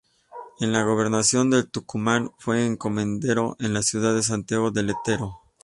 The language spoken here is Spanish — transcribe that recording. En la gobernación del Tucumán fue encomendero en la ciudad de Santiago del Estero.